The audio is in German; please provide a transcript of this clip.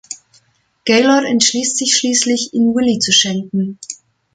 Gaylord entschließt sich schließlich, ihn Willie zu schenken.